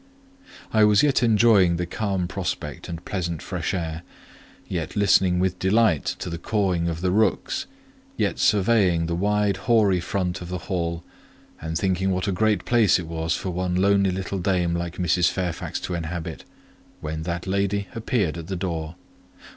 I was yet enjoying the calm prospect and pleasant fresh air, yet listening with delight to the cawing of the rooks, yet surveying the wide, hoary front of the hall, and thinking what a great place it was for one lonely little dame like Mrs. Fairfax to inhabit, when that lady appeared at the door.